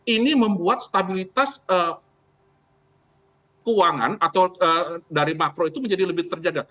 ini membuat stabilitas keuangan atau dari makro itu menjadi lebih terjaga